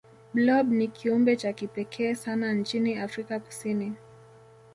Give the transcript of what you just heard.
blob ni kiumbe cha kipekee sana nchini afrika kusini